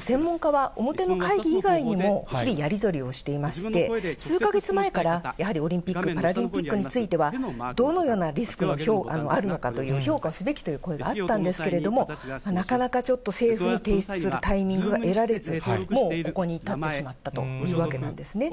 専門家は、表の会議以外にも、日々やり取りをしていまして、数か月前から、やはりオリンピック・パラリンピックについては、どのようなリスクがあるのかという、評価すべきという声があったんですけれども、なかなかちょっと政府に提出するタイミングを得られず、もうここに至ってしまったというわけなんですね。